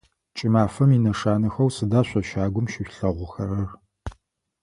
Кӏымафэм инэшанэхэу сыда шъо щагум щышъулъэгъухэрэр?